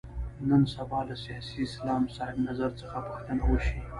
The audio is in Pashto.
نن سبا له سیاسي اسلام صاحب نظر څخه پوښتنه وشي.